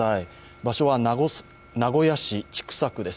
場所は名古屋市千種区です。